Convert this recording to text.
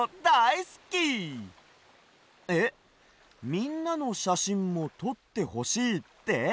みんなのしゃしんもとってほしいって？